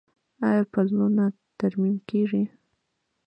آیا پلونه ترمیم کیږي؟